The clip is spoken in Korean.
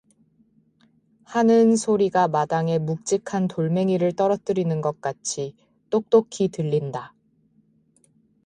하는 소리가 마당에 묵직한 돌멩이를 떨어뜨리는 것 같이 똑똑히 들린다.